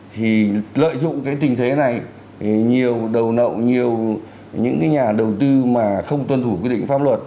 thì lợi dụng cái tình thế này nhiều đầu nậu nhiều những cái nhà đầu tư mà không tuân thủ quy định pháp luật